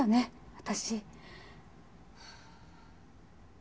私。